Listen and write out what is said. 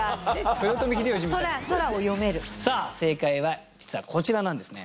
豊臣秀吉みたいさあ正解は実はこちらなんですね